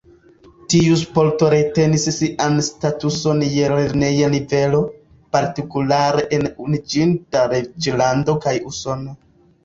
Tiu sporto retenis sian statuson je lerneja nivelo, partikulare en Unuiĝinta Reĝlando kaj Usono.